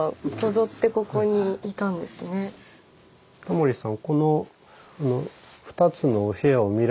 タモリさん